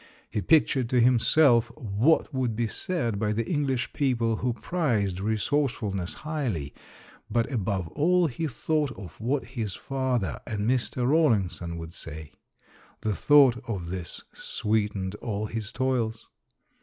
He pictured to himself what would be said by the English people who prized resourcefulness highly, but above all he thought of what his father and Mr. Rawlinson would say. The thought of this sweetened all his toils.